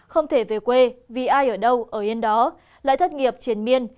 không thể về quê vì ai ở đâu ở yên đó lại thất nghiệp triển miên